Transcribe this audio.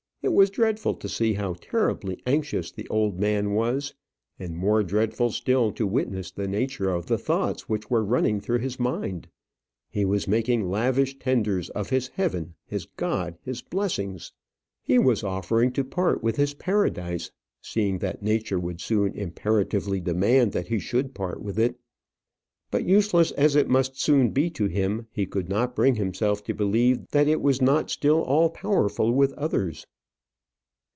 It was dreadful to see how terribly anxious the old man was, and more dreadful still to witness the nature of the thoughts which were running through his mind. He was making lavish tenders of his heaven, his god, his blessings; he was offering to part with his paradise, seeing that nature would soon imperatively demand that he should part with it. But useless as it must soon be to him, he could not bring himself to believe that it was not still all powerful with others.